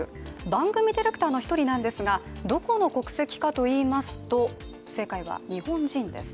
番組ディレクターの一人なんですがどこの国籍かといいますと正解は、日本人です。